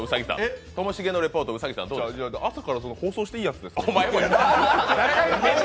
朝から放送していいやつですか？